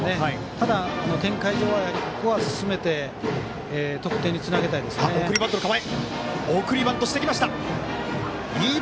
ただ、展開上はここは進めて得点につなげたい。